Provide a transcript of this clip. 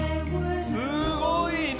すごいね。